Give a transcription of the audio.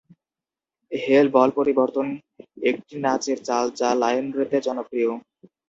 হেল ball পরিবর্তন একটি নাচের চাল যা লাইন নৃত্যে জনপ্রিয়।